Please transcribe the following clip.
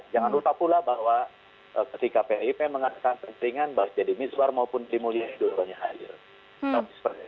jangan lupa pula bahwa ketika pdip mengatakan pentingan bahwa jadi mizwar maupun deddy mulyadi soalnya hadir